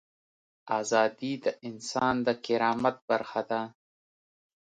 ازادي د انسان د کرامت برخه ده.